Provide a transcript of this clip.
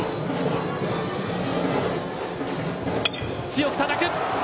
強くたたく！